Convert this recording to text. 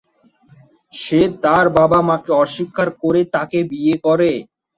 সে তার বাবা-মাকে অস্বীকার করে তাকে বিয়ে করে।